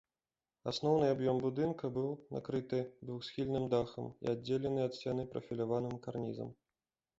Асноўны аб'ём будынка быў накрыты двухсхільным дахам і аддзелены ад сцяны прафіляваным карнізам.